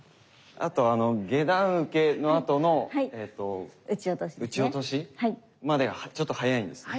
あと下段受けのあとの打ち落としまでがちょっと速いんですね。